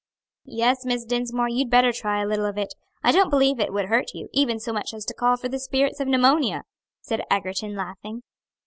"Yes, Miss Dinsmore, you'd better try a little of it; I don't believe it would hurt you, even so much as to call for the spirits of pneumonia," said Egerton, laughing.